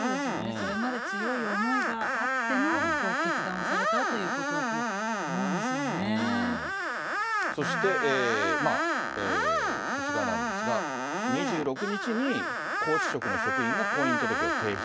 それまで強い思いがあっての決断をされたということだと思うんでそして、こちらなんですが、２６日に皇嗣職の職員が婚姻届を提出。